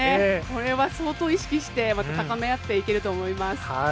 これは相当、意識してまた高め合っていけると思います。